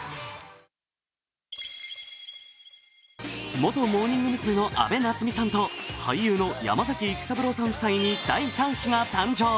元モーニング娘の安倍なつみさんと俳優の山崎育三郎さん夫妻に第３子が誕生。